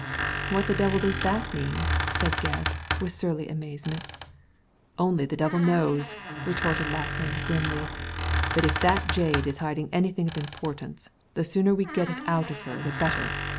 " What the devil does that mean ?" said Gebb, with surly amazement '* Only the devil knows/* retorted Lackland, grimly; " but if that jade is hiding anything of importance the sooner we get it out of her the better.